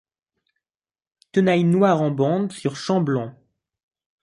Tenailles noires en bande sur champ blanc.